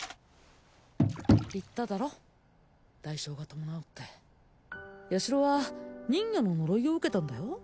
言っただろ代償が伴うってヤシロは人魚の呪いを受けたんだよ